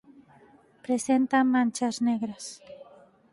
Presenta manchas negras.